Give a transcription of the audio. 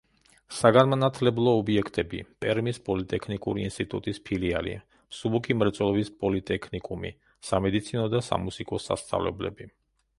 საგანმანათლებლო ობიექტები: პერმის პოლიტექნიკური ინსტიტუტის ფილიალი, მსუბუქი მრეწველობის პოლიტექნიკუმი, სამედიცინო და სამუსიკო სასწავლებლები.